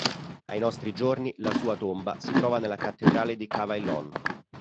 Ai nostri giorni la sua tomba si trova nella cattedrale di Cavaillon.